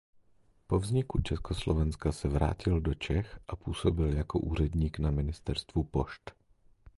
Po vzniku Československa se vrátil do Čech a působil jako úředník na Ministerstvu pošt.